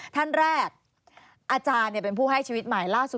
ท่านแรกอาจารย์เป็นผู้ให้ชีวิตใหม่ล่าสุด